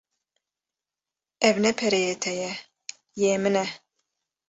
Ev ne pereyê te ye, yê min e.